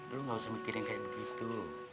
lu gak usah mikirin kayak begitu